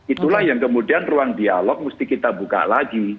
itulah yang kemudian ruang dialog mesti kita buka lagi